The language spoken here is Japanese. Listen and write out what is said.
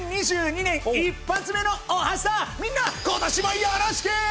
２０２２年一発目の『おはスタ』みんな今年もよろしく！